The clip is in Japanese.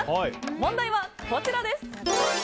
問題はこちらです！